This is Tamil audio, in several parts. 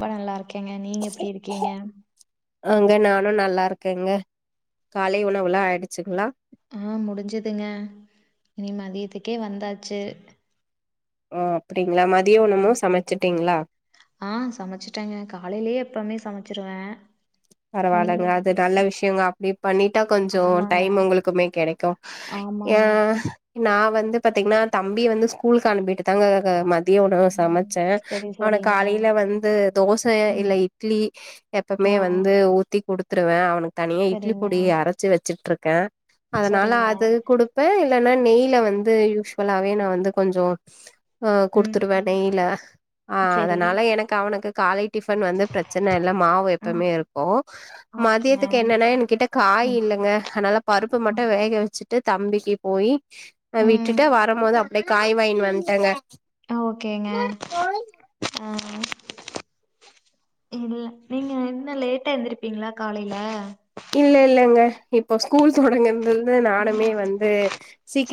ப நல்லா இருக்கேங்க நீங்க எப்டி இருக்கீங்க ஆங்க நானு நல்லா இருக்கங்க காலை உணவுலா ஆய்டுச்சுங்களா ஆ முடிஞ்சிதுங்க இனி மதியத்துக்கே வந்தாச்சு ஓ அப்டிங்கலா மதியொ உணமு சமச்சிட்டிங்களா ஆ சமச்சிட்டங்க காலைலயே எப்பவ்மே சமச்சிருவ பரவால்லங்கா அது நல்ல விஷயங்க அப்டி பண்ணிட்டா கொஞ்ச ஆமாங்க, டைம் உங்குளுக்குமே கெடைக்கு ஏ ஆமாங்க. நா வந்து பாத்தீங்னா தம்பி வந்து ஸ்கூலுக்கு அனுப்பிட்டு தாங்க ம திய உணவ ம் சமச்ச சரி, அவன சரிங்க. காலைல வந்து தோச ம். இல்ல இட்லி எப்ப மே ஆ வந்து ஊத்தி குடுத்ருவே அவனுக்கு தனியா இட்லி சரிங்க, பொடி அரச்சி வச்சிட்ருக்க அதனால சரிங்க. அது குடுப்ப இல்லன்னா நெய்ல வந்து யூஷ்வலாவே நா வந்து கொஞ்சொ ஆ ம் குடுத்துருவே நெய்ல ஆ சரி. அதனால எனக்கு அவனுக்கு காலை டிஃபன் வந்து ப்ரச்சன இல்ல மாவு எப் ம் பமே இருக்கு ஓகேங்க. மதியத்துக்கு என்னன்னா என்கிட்ட காய் ம் இல்லங்க அனால பருப்ப மட்டு ம் வேக வச்சிட்டு தம்பிக்கி போயி அ ம் விட்டுட்டு வரம் போது அப் டியே காய் வாய்னு வன்ட்டங்க ஆ ஓகேங்க ஆ இல்ல நீங்க இன்ன லேட்டா எந்திருப்பீங்ளா காலையில இல்ல இல்லங்க இப்போ ஸ்கூல் தொடங்கன்து து நானுமே ம் வந்து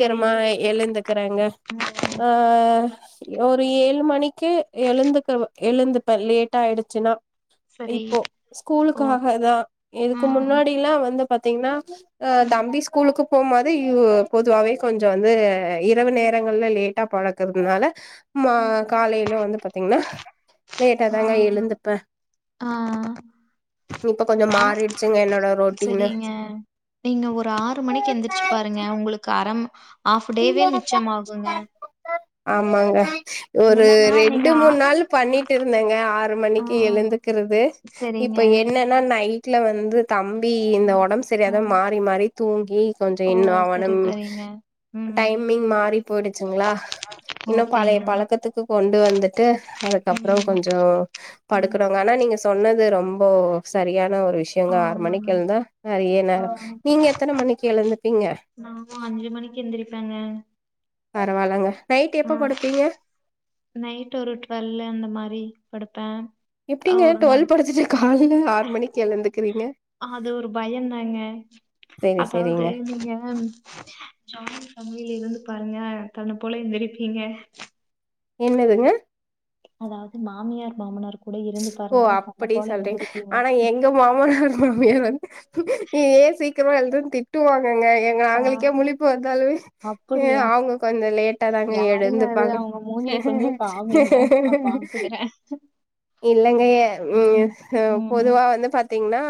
சரி. எழுந்துக்குறங்க ம் ஆ ஒரு ஏழு மணிக்கு எழுந்துக்க எழுந்துப்ப லேட்டாய்டுச்சுனா சரி இப்போ ஓ ஸ்கூலுக்காக தா இதுக்கு ம் முன்னாடில்லா வந்து பாத்தீங்னா ஆ ம் தம்பி ஸ்கூலுக்கு போம்போது வ் பொதுவாவே கொஞ்சொ வந்து இரவு நேரங்கள்ல லே ட்டா படக்கற்துனால மா ம் காலைல வந்து பாத்தீங்னா லேட்டா ஆ தாங்க எழுந்துப்ப ஆ இப்ப கொஞ்சம் மாறிடு செரிங்க நீங்க ஒரு ஆறு மணிக்கு எந்திரிச்சு பாருங்க உங்களுக்கு அரம ஆஃப் டேவே மிச்சமாகுங்க ஆமாங்க ஒரு என்னன்னா நீங்க ரெண்டு ஆ மூண் நாள் பண்ணிட்டு இருந்தங்க ஆறு மணிக்கு எழுந்துக்குறது செரிங்க நா நை ட்ல வந்து தம்பி இந்த ம் ஒடம்பு சரியாதா ம் மாறி மாறி தூங்கி கொஞ்சொ ஓ இன்னு சரி அவனம் சரிங்க ம் டைமிங் மாறி போயிடுச்சுங்ளா இன்னு பழைய ஓகேங்க பழக்கத்துக்கு கொண்டு வந்துட்டு அதுக்கப்ரோ ம் கொஞ்சொ ஆமா படுக்கரோங்க ஆனா நீங்க சொன்னது ரொம்ப சரியான ஒரு விஷ்ய ஏங்க ஆறு ஆமாங்க மணிக் எழுந்தா நறைய ஆ நேரம் நீங்க எத்தன மணிக்கி எழுந்துபீங்க நானு அஞ்சு மணிக்கி எந்திரிப்பங்க பரவாயிலங்க நைட் எப்ப படுப்பீங்க நைட் ஒரு டு்வெல் அந்த மாரி படுப்ப எப்டிங்க டுவெவ் படுத்துட்டு காலையில ஆறு மணிக் எழுந்துகிறீங்க அது ஒரு பயந்தாங்க செரி அதாவது செரிங்க நீங்க ஜாயின்பேமலில இருந்து பாருங்க தன்ன போல எந்திரிப்பீங்க என்னதுங்க அதாவது மாமியார் மாமனார் கூட இருந்து ஓ பாருங்க தன்ன அப்படி போல சொல்றீங்க எந்திருப்பீங்க ஆனா எங்க மாமனார் மாமியார் வந்துஏ சீக்கிரமா எழுந்தன் திட்டுவாங்கங்க ஆ நாங்களுக்கே முழிப்பு வந்தாலுமே அப்படியா அவங்க கொஞ்ச லேட்டா தாங்க யாருங்க அது எழுந்துப்பாங்க அவங்க மூஞ்சிய கொஞ்சம் ஆஹ் காமிங்க நான் பாத்துக்கிறேன் ஆஹ் இல்லங்க எ ம் பொதுவா வந்து பாத்தீங்னா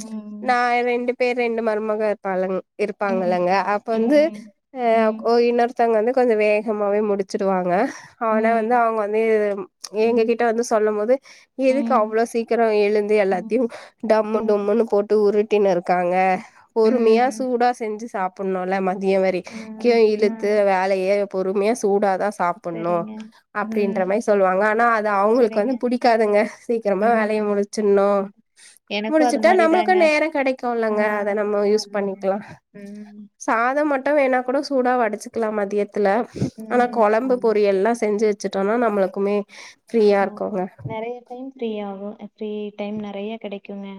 ம் நா ரெண்டு பேர் ரெண்டு மருமக இருப்பாள்ளங் ம் இருப்பாங்கல்லங்க அப்ப வந்து ம் ஏ ம் ஒ இன்னொருத் த்தங்க வந்து கொஞ்ச வேகமாவே முடிச்சிடுவாங்க ஆனா ம் வந்து அவங்க வந்து எங்க ம் கிட் ட்ட வந்து சொல்லு போது எதுக்கு ம் அவ்ளோ சீக்கிரம் எழுந்து ம் எல்லாத்தையு டம் ம் டும்முன்னு போட்டு உருட் குட்டினு இருக்காங்க பொறுமையா ம் சூடா செஞ்சி சாப்புட்ணுல்ல மதியோ வரி கி ம் இழுத்து ம் வேலய பொறுமையா சூடாதா சாப்புட்ணு சரிங்க அப்டின்ற ம் மாரி சொல்லுவாங்க ஆனா அது அவங்களுக் சரிங்க வந்து புடிக்காதுங்க சீக்கிரமா வேலைய ம் முடிச்சிட்ணு எனக்கும் அது முடிச்சிட்டா நம்ளுக்கு மாரிதாங்க நேரோ ஆ கடைக்குல்லங்க அத நம்ம யூஸ் ஆமாங்க. பண்ணிக்லா ம். சாதம் மட்டும் வேணா கூட சூடா வடிச்சிக்கலா மதியத் த்துல ஆனா ம். குழம்பு ஆமா. பொரியல்லா செஞ்சி வச்சிட்டோனா நம்ளுக்குமே ஃப்ரீயா இருக்குங்க நறைய டைம் ஃப்ரீ ஆகும் ஃப்ரீ டைம் நறைய கடைக்குங்க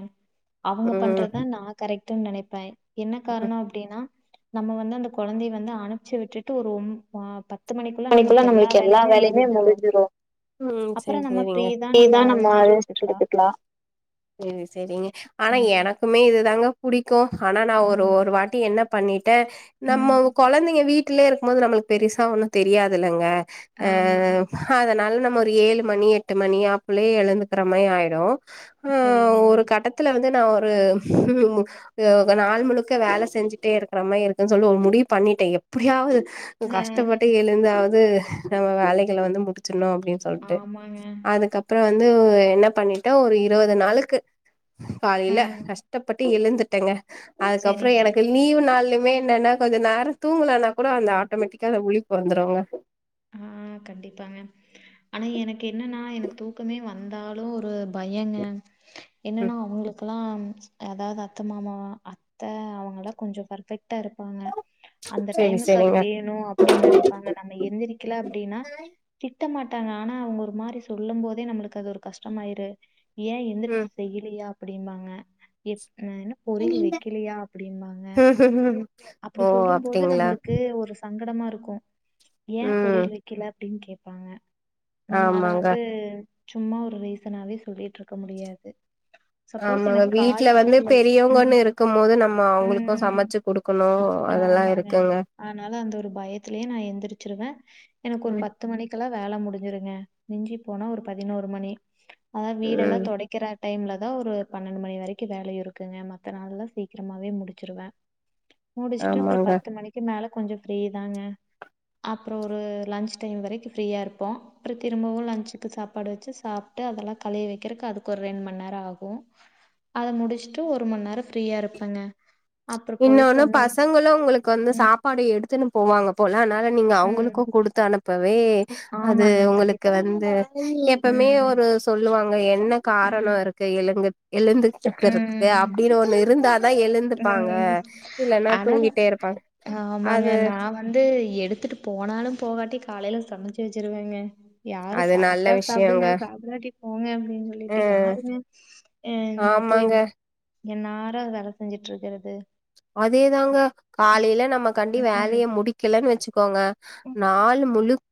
அவங்க ம் பண்றதுதா கரெக்டுன் நனைப்ப என்ன ம் காரனோ அப்டின்னா நம்ம வந்து அந்த தொழந்தைய வந்து அனுப்பிச்சி விட்டுட்டு ஒரு ஒன் பத் மணிக்கெல்லா நம்ளுக்கு எல்லா வேலையுமே முடிஞ்சிடு உம் சரி அப்புறம் நம்ம ஃப்ரீ சரிங்க தான் இதா நம்ம ரெஸ்ட் அரேஞ் எடுத்துக்கலாம். எடுத்துக்கலா சரி சரிங்க ஆனா ம். எனக்குமே இதுதாங்க புடிக்கு ஆனா நா ஒரு ம். ஒரு வாட்டி என்ன பண்ணிட்ட ம். நம்ம தொழந்தைங்க வீட்லயே இருக்கு போது நம்ளுக்கு பெருசா ஒண்ணு தெரியாதில்லங்க ஆமா. அ அதனால நம்ம ஒரு ஏழு மணி எட்டு மணி அப்புள்ளயே எழுந்துக்கிற மாரி ஆயிரு ஆ சரிங்க. ஒரு கட்டத்துல வந்து நா ஒரு ம் மு நாள் முழுக்க வேலசெஞ்சிட்டே இருக்குற மாரி இருக்குன் சொல்லி ஒரு முடிவு பண்ணிட்ட எப்டியாவது ஆ, கஷ்டப்பட்டு எழுந்தாவது நம்ம வேலைகள வந்து முடிச்சிடணு அப்டின் சொல் சொல்ட்டு ஆமாங்க. அதுக்கப்ரோ வந்து என்ன பண்ணிட்டோ ஒரு இருவது நாளுக்கு காலையில ம். கஷ்டப்பட்டு எழுந்துட்டேங்க அதுக்கப்புறம் சரிங்க. எனக்கு லீவ் நாலுமே என்னன்னா கொஞ்ச நேரோ தூங்கலனா கூடோ அந்த ஆட்டோமேட்டிக்கா அந்த முழிப் பொறந்துருவங்க ம் கண்டிப்பாங்க ஆனா எனக்கு என்னன்னா எனக்கு தூக்கமே வந்தாலும் ஒரு பையங்க ம் என்னன்னா அவங்களுக் பலாம் அதாவது அத்த மாமா அத்த அவங்களாக் கொஞ்சோ பர்ஃபெக்ட்டா இருப்பாங்க அந்த சரி டைமுக்கு அது சரிங்க வேணு அப்டின் நெனைப்பாங்க நம்ம எந்திரிக்கில அப்டினா திட்ட மாட்டாங்க ஆனா அவுங்க ஒரு மாரி சொல்லும் போதே நம்மளுக்கு அது ஒரு கஷ்டமாயிரு ஏ ம் எந்திரச்சி செய்யிலியா அப்பிடிம்பாங்க எப் நா என்னப் பொரியில் ம் வெக்கிலியா அப்பிடிம்பாங்க அப்டி ஓ சொல்லும் போது அப்டிங்களா நம்மளுக்கு ஒருச் சங்கடமா இருக்கு ஏ ம் பொரியில் வெக்கில அப்டின் கேப்பாங்க நம்ம அத ஆமாங்க வந்து சும்மா ஒரு ரீசனாவே சொல்லிட்ருக்க முடியாது சப்போஸ் ஆமாங்க எனக்கு காய் வீட்ல வந்து ம் பெரியவங்கன்னு இருக்கம்மோது நம்ம அவுங்குளுக்கு ம் சமச்சு குடுக் க்குணு அதெல்லா ஆமாங்க. இருக்குங்க அதனால அந்த ஒரு பயத்துலியே நா எந்திரிச்சிருவே எனக்கு ஒரு ம் பத்து மணிக்கெல்லா வேல முடிஞ்சிருங்க மிஞ்சிப் போனா ஒரு பதினோரு மணி அதா வீடெல்லா ம் தொடைக் கிற டைம்லதா ஒரு பன்னெண்டு மணி வரைக்கு வேல இருக்குங்க மத்த நாள்ல சீக்கிரமாவே முடிச்சிருவே முடிச்சுட்டு அப்றோ ஆமாங்க பத்து மணிக்கு மேல கொஞ்சோ ஃப்ரீதாங்க அப்றோ ஒரு லஞ்ச் டைம் வரைக்கு ஃப்ரீயாருப்போ அப்றோ திரும்பவு லஞ்சுக்கு சாப்பாடு வெச்சு சாப்ட்டு அதெல்லாக் கழுவி வெக்கிறக்கு அதுக்கு ஒரு ரெண் மண் நேரோ ஆகு அத முடிச்ட்டு ஒரு மண் நேரோ ஃப்ரீயா இருப்பங்க இன்னோன்னு பசங்களு உங்களுக்கு வந்து ம் சாப் ப்பாடு எடுத்துனு போவாங்கப் போல அன்னால நீங்க ம் அவுங்குளுக்கு குடுத்து அனுப்பவே அது ஆமாங்க ஒங்களுக்கு கண்டிப்பா வந்து எப்பமே ம் ஒரு சொல்லுவாங்க என்னக் காரணோ ம் இருக்கு எழுங்கத் எழுந்துக் க்கறத்க்கு ம் அப்டினு ஒன்னு இருந்தாதா எழுந்துப்பாங்க ம் இல்லன்னா அனன தூங்கிட்டே இருப்பாங்க ஆமாங்க அது நா வந் வந்து எடுத்துட்டுப் போனாலும் போகாட்டி காலைல சமச்சி வெச்சிருவேங்க யாரு அது நல்ல சாப்ட்டா விஷயங்க சாப்டுங்க சாப்டாட்டிப் போங்க அப்டின் சொல்லிட்டு ம் யாருங்க அ இன் ஆமாங்க போயுமா என்னாரு வேல செஞ்சுட்ருக்றது அதேதாங்க காலைல நம்ம கண்டி ம் வேலய முடிக்கலன் வெச்சுக் கோங்க ம் நாலு முழுக்க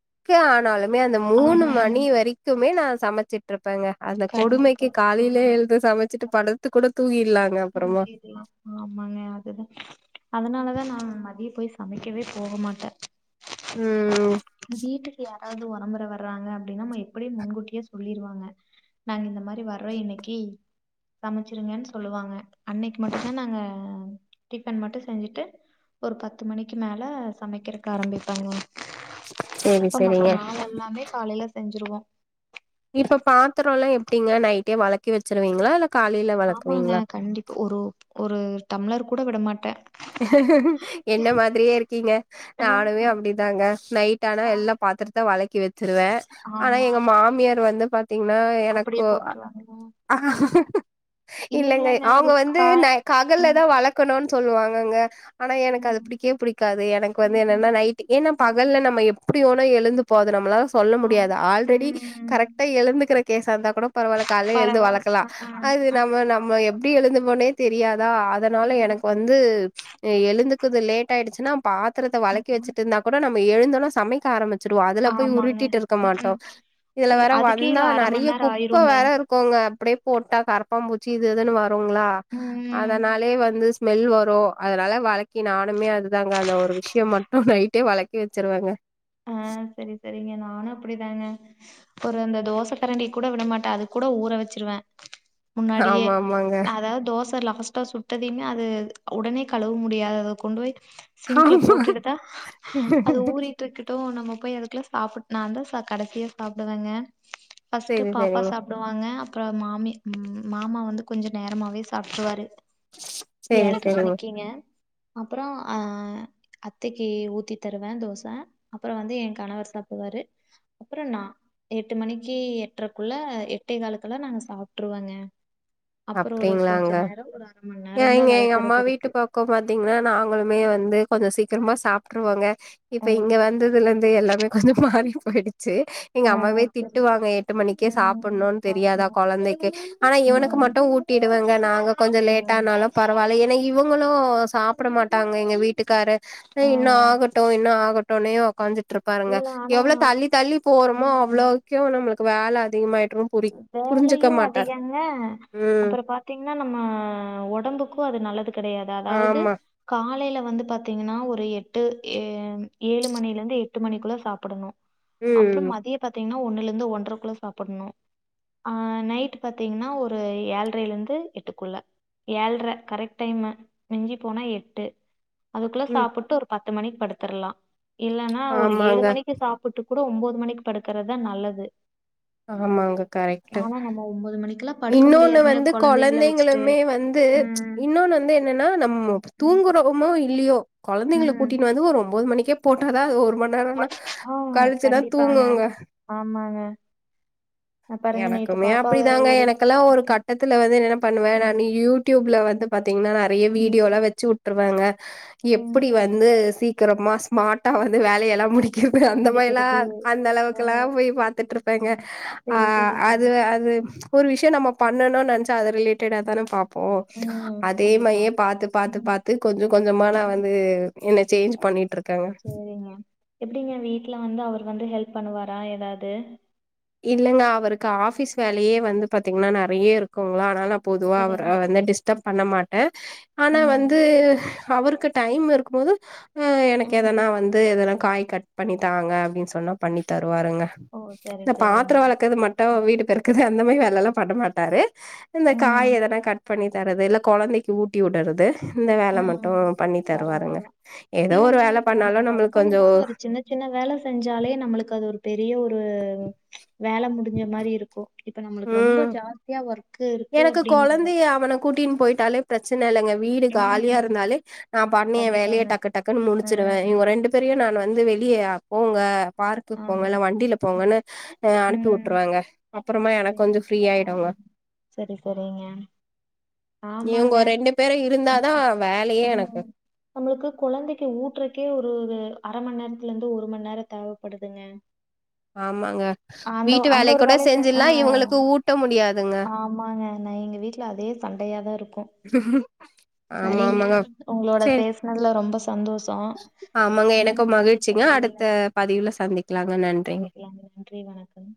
ஆனாலும் மே அந்த மூனு ஆமாங்க மணி வரைக்குமே நா சமச்சிட்ருப்பேங்க அந்தக் கண்டிப்பா கொடுமைக்கி காலைலே ம் எழுந்து சமச் சிட்டுப் படுத்து கூடத் தூங்கில்லான் தூங்கிர்லா ஆமாங்க அதுதா அதனாலதா நா மதியோ போய் சமைக்கவே போமாட்டே ம் ம் வீட்டுக்கு யாராவுது ஒரம்பர வறாங்க அப்டினா நம்ம எப்புடியே முன்கூட்டியே சொல்லிருவாங்க நாங்க இந்த மாரி வர்றோ இன்னைக்கி சமச்சிருங்கன் சொல்லுவாங்க அன்னைக்கு மட்டுந்தா நாங்க டிஃபன் மட்டு செஞ்சிட்டு ஒரு பத்து மணிக்கி மேல சமைக்கிறக்கு ஆரம்பிப்பங்க சரி அப்ப மத்த சரிங்க. நாள் எல்லாமே காலைல செஞ்சிருவோ இப்பப் பாத்தரோல்லா எப்டிங்க நைட்டே வளக்கி வெச்சிருவீங்ளா இல்ல காலையில ஆமாங்க வெளக்குவீங்களா? கண்டிப்ப ஒரு ஒரு டம்ளர் கூட விட மாட்டே என்ன மாதிரியே இருக்கிங்க ஆ நானுமே அப்டிதாங்க நைட்டானா ஆ எல்லாப் பாத்துரத் த வளக்கி வெச்சிருவே ஆனா ஆமா எங்க மாமியார் வந்துப் பாத்தீங்னா எனக்கு அப்டியே ஒ போட்ருவாங்க இல்லங்க அது அவுங்க வந்து கா நை ம் ககல்லதா வளக் க்கணுன் சொல்லுவாங்கங்க ஆனா எனக் அது ம் புடிக்கே புடிக்காது எனக் வந்து ம் என்னன்னா நைட்டுக்கே ஏன்னா ம் பகல்ல நம்ம எப்டி வோனா எழுந்து இப்ப அது நம்ப்ளால சொல்ல ஆம் முடியாது ஆல்ரெடி ம் கரெக்டா எழுந்துக்கிற கேசார்ந்தா கூட பரவால்ல கால்ல எழ்ந்து பரவால் வளர்க்கலா ம் அது ம் நம்மநம்ம எப் எப்டி எழுந்துப்போனே தெரியாதா அதுனால ம் எனக் வந்து எழுந்துக்குது லேட் ஆயிடுச்சுன்னா பாத்துரத்த ம் வளக்கி ம். வச்சுட்டுருந்தா கூட நம்ம எழுந்தோன்ன சமைக்க ஆரமிச் ச்சுருவ அதுல போய் ஆமாங்க உருட்டிட்டு ம் இருக்கமாட்டோ ம் இதுல இல்ல, வேற அதுக்கே வந்தா இதுல அர மண் நறைய்ய நேரோ குப்ப ஆயிருங்க வேற இருக் க்கோங்க அப்டே போட்டா கரப்பாம்பூச்சி இது அதுன்னு வருங்களா ம் அதனாலே வந்து மெல் வரூ அதுனால வழக்கி நானுமே அதுதாங்க அந்த ஒரு விஷ்யமட்டு நைட்டே வளக்கி வச்சுடுவங்க அ சரி சரிங்க நானு அப்டிதாங்க ஒரு ந்த தோச கரண்டி கூட விட மாட்ட அது கூட ஊற வெச்சிருவ முன்னாடியே ஆமா ஆமாங்க அதாவ்து தோச லாஸ்ட்டா சுட் விட்டதுயுமே அது உடனே கழுவ முடியா அத கொண்டு போய்ட் சிங்க்ல ஆமா போட்டுட்டுத்தா அத ஊறி டுக்குட்டூ நம்ம போய் அதுக்குல்ல சாப்புட் நா அந்து சோ கடசியா சாப்டுவேங்க ஃப்ஸ்ட் செரி பாப்பா செரிங்க சாப் டுவாங்க அப்பறொ மாமி மாமா வந்து கொஞ்ச நேரமாவே சாப்ட்ருவாரு செரி செரிங்க ஏல்ரமணிக்குங்க அப்றொ அ அத்தைக்கு ஊத்தி தருவ தோச அப்பற வந்து எ கணவர் சாப்டுவாரு அப்பற நா எட்டு மணிக்கு எட்ரக்குள்ள எட்டே காலுக்கெல்லா நாங்க சாப்ட்டுருவெங்க அப்பறொ ஒரு கொஞ்ச அப்டிங்களாங்க நேரொ ஒரு அரமண் நேரந்தா வெளக்கறதுருக்கு க்கோ பாத்தீங்கன்னா நாங்களுமே வந்து கொஞ்ச சீக்கிரமா சாப்ட்டுருவோ இப்ப ம், இங்க வந்ததுலந்து து எல்லாமே கொஞ்ச மாறி பொய்டுச்சு எங்க ஆ, அம்மாவே புரியுது. திட்டுவாங்க எட்டு மணிக்கே ம், சாப்புன்ணுன் தெரியாதா ஆமா. கொழந்தைக்கு ஆனா இவனுக்கு ம், மட்டு ஊட்டிடுவங்க நாங்க கொஞ்சொ லேட் ம், னாலு பரவால்ல ஏன்னா இவங்களு சாப்புடமாட்டாங்க எங்கவீட்டுக்காரு னு ஆ. இன்னு ஆகட்டு இன்னு ஆகட்டுன்னே உக்காந்துட்ருப் பாருங்க இல்ல ஆனா எவ்ளோ தள்ளி தள்ளி போறோமோ ம், அவ்ளோக்கெ நம்மளுக்கு வேல அதிகமாயிற்ரு வேலையு அதிகங்க ம். அப்பற பா த்தீங்கன்னா நம்ம ஒடம்புக்கூ அது நல்லது கெடையாது அதாவுது ஆமா. காலைல வந்து பாத்தீங்கன்னா ஒரு எட்டு ஏ ஏழு மணிலெந்து எட்டு மணிக்குள்ள சாப்புடணு அப்றோ ம். மதிய பாத்தீங்ன்னா ஒண்ணுலந்து ஒன்றகுள்ள சாப்புட்ணு ஆ நைட் பாத்தீங்கன்னா ஒரு ஏழ்ரைலெந்து எட்டுக்குள்ள ஏல்ர கரெக்ட் டைமு மிஞ்சி போனா எட்டு அதுக்குள்ள ம். சாப்புட்டு ஒரு பத்து மணிக் இல்லன்னா ஒரு ஆமாங்க, ஏழுமணிக்கு சாப் புட்டு கூட ஒம்போது மணிக்கு படுக்கறதா நல்லது ஆம்மாங்க கரெக்ட் ஆனா நம்ம ஒம்போது மணிக்குலா படுக்க இன்னொன்னு முடியாதுங்க வந்து கொழந்தைகள வச்சுட்டு கொழந்தைங்களுமே வந்து ம் இன்னொன்னு வந்து என்னன்னா நம்ம தூங்குறமோ இல்லியோ கொழந்தைகள ம் கூட்டின் வந்து ஒரு ஒம்போது மணிக்கே போட்டாதா அது ஒரு மண்நேரன்னா கழிச்சுன்னா தூங்குங்க ஆம்மாங்க எனக்குமே அப்புடிதாங்க ஒரு எனக்கெல்லா ஒரு கட்டத்துல வந்து என்ன பண்ணுவே ம் நானு யூ டியூப்ல வந்து பாத்தீங்ன்னா நெறைய ம் வீடியோலா வெச்சு வுட்டுருவங்க ம் எப்புடி வந்து சி க்கிரமா ஸ்மார்ட்டா வந்து வேலயல்லா முடிக்கர்து அந்த மாரில்லா முடிக்கிறது அந்த அ அளவுக்குல்லா போய் பா்த்துட்ருப் ப்பாயிங்க ஆ சரி சரிங்க அது அது ஒரு விஷ்யோ நம்ம பண்ணனு நெனச்சா அது ரிலேட்டடாதான பாப் போ ம் அதே கண்டிப்பா மாயே பாத்து பாத்து ம் பாத்து கொஞ்ச கொஞ்சமா நா ம் வந்து என்ன சேஞ்ச் பண்ணிட்டு இருக் சேரிங்க எப்பிடிங்க வீட்ல வந்து அவரு வந்து ஹெல்ப் பண்ணுவாரா எதாவது இல்லங்க அவருக்கு ஆஃபீஸ் வேலையே வந்து பாத்தீங்கன்னா நெறைய இருக்குங்களா ஆனால பொதுவா அவர சரிங்க. வந்து டிஸ்டப் பண்ணமாட்டே ஆனா ம். வந்து அவருக்கு டைம் இருக்கு போது அ எனக்கு ம். எதனா வந்து இததெல்லா காய் கட் பண்ணி தாங்க அப்டின் சொன்னா பண்ணி தருவாருங்க ஓ சரி, இந்த சரிங்க. பாத்திரோ வெலக்குரது மட்டு வீடு பெறுக்கது அந்த மாரி வேலயில்லா பண்ணமாட்டாரு இந்த ம். காய் எதனா கட் பண்ணி தரது இல்ல கொழந்தைக்கு ஊட்டிவுடறது இந்த வேல மட்டு ம். பண்ணி தருவாருங்க பரவால்ல. எதோ ஒரு இல்லங்க வேல இப்ப நம்ம பண்ணாலு ஒர்க் நம்மளுக்கு கொஞ்சோ பண்ணும்போது ஒரு சின்ன சின்ன வேல செஞ்சாலே நம்மளுக்கு அது ஒரு பெரிய ஒரு வேல முடிஞ்ச மாரி இருக்கு இப்ப நம்மளுக்கு ரொம்ப ம் ஜாஸ்தியா ஒர்க் எனக்கு கெழந்தைய அவனை கூட்டின் போயிட்டாலே பிரச்சன இல்லங்க வீடு காலியா ம். இருந்தாலே நா பாட்ண்ணு‌ ஏ வேலைய கண்டிப்பாங்க. டக்கு டக்குன்னு முடிச்சிருவே ம். இவங்க ரெண்டு தெரியா நான் வந்து வெளிய போங்க பார்க்குக் போங்க ஆமா. இல்ல வண்டியில ம். போங்கனு அ ம். அனுப்பிவுட்டுருவங்க அப்புறமா எனக்கு சரி. கொஞ்சோ ஆ. ஃப்ரீயாயிடுங்க சரி சரிங்க இவுங்க ஆமாங்க. ரெண்டு பேரு இருந்தாதா வேலையே எனக்கு ம். நம்மளுக்கு கெழந்தைக்கு ஊட்றக்கே ஒரு ஒரு அரமண் நேரத்துல இருந்து ஒரு மண் நேரோ தேவப்படுதுங்க ஆமாங்க வீட்டு அந்த வேலை ஒரு கூட வேலைய செ ஆ செஞ்சிலா இவுங்களுக்கு ஊட்ட முடியாதுங்க ஆமாங்க நா எங்க வீட்ல அதே சண்டையாதா இருக்கு ஆமா சரிங்க ஆமாங்க உங்களோட சரி பேசனதுல ரொம்ப ச தந்தோஷோ நீ இந்த மாதுரே பத் விரைவில்ல பாதியுல்லா சந்திப் க்ல்லாங்க நன் சந்திக்கலாங்க நன்றி வணக்கம்